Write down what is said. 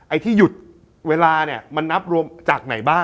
ไอ้ที่หยุดเวลาเนี่ยมันนับรวมจากไหนบ้าง